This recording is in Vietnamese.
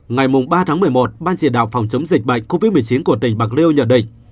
ngày ba tháng một mươi một ban chỉ đạo phòng chống dịch bệnh covid một mươi chín của tỉnh bạc liêu nhận định